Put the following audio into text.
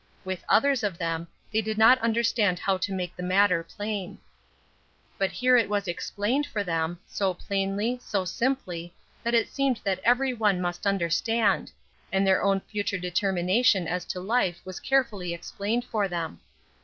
With others of them they did not understand how to made the matter plain. But here it was explained for them, so plainly, so simply, that it seemed that every one must understand, and their own future determination as to life was carefully explained for them.